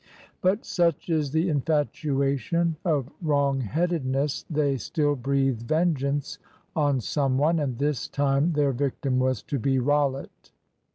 But, such is the infatuation of wrong headedness, they still breathed vengeance on some one; and this time their victim was to be Rollitt.